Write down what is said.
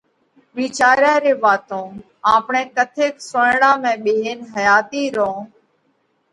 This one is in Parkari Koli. وِيچاريا ري واتون آپڻئہ ڪٿيڪ سونئيڙا ۾ ٻيهينَ حياتِي رون